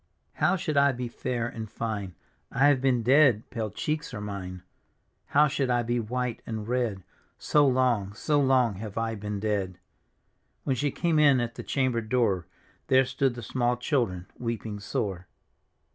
" How should I be fair and £ne? I have been dead; pale cheeks are mine. " How should I be white and red. So long, so long have I been dead ?" When she came in at the chamber door. There stood the small children weeping sore.